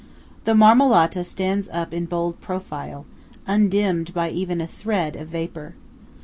The Marmolata stands up in bold profile, undimmed by even a thread of vapour.